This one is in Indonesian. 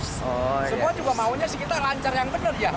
semua juga maunya sih kita lancar yang bener ya